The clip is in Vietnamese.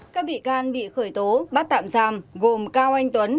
các bị can bị khởi tố bắt tạm giam gồm cao anh tuấn